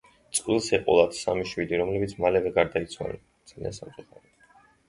წყვილს ეყოლათ სამი შვილი, რომლებიც მალევე გარდაიცვალნენ.